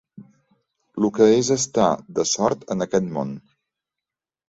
Lo que és estar de sort en aquest món